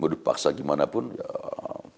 mau dipaksa gimana pun yaa